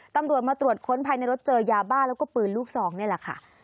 ตำรวจมาตรวจค้นภายในรถเจอยาบ้าแล้วก็ปืนลูกซองนี่แหละค่ะ